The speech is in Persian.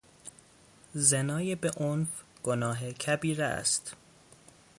زنای به عنف، گناه کبیره است.